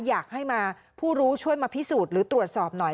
อยากให้มาผู้รู้ช่วยมาพิสูจน์หรือตรวจสอบหน่อย